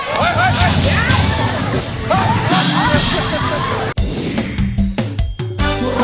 โทษให้โทษให้โทษให้